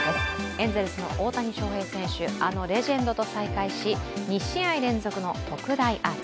エンゼルスの大谷翔平選手、あのレジェンドと再会し２試合連続の特大アーチ。